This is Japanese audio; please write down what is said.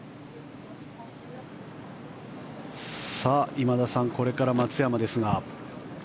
今田さん、これから松山ですが。